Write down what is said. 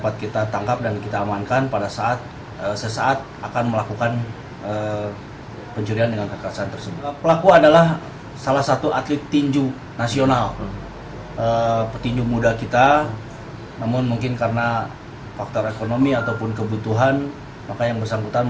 tidak tahu di belakang ada temannya